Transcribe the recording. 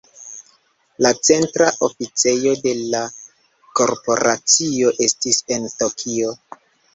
La centra oficejo de la korporacio estis en Tokio.